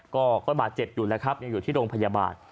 ก็บาดเจ็บอยู่แล้วครับยังอยู่ที่โรงพยาบาล